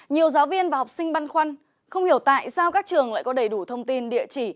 nhiều giáo viên và học sinh băn khoăn không hiểu tại sao các trường lại có đầy đủ thông tin địa chỉ